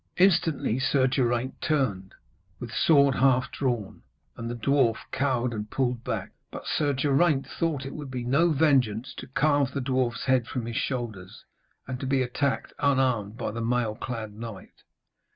Instantly Sir Geraint turned, with sword half drawn, and the dwarf cowed and pulled back. But Sir Geraint thought it would be no vengeance to carve the dwarf's head from his shoulders, and to be attacked unarmed by the mail clad knight.